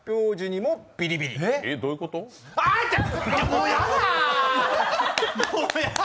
もうやだ。